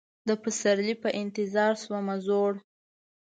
د پسرلي په انتظار شومه زوړ